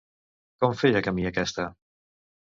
Com feia camí aquesta?